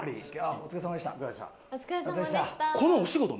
お疲れさまでした。